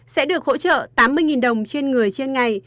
sẽ được hỗ trợ tám mươi đồng trên người trên ngày